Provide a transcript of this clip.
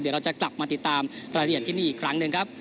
เดี๋ยวเราจะกลับมาติดตามรายละเอียดที่นี่อีกครั้งหนึ่งครับ